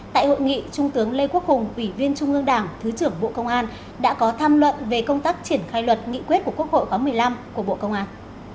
tại hội nghị trung tướng lê quốc hùng ủy viên trung ương đảng thứ trưởng bộ công an đã có tham luận về công tác triển khai luật nghị quyết của quốc hội khóa một mươi năm của bộ công an